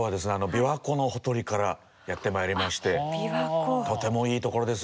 琵琶湖のほとりからやってまいりましてとてもいい所ですよ。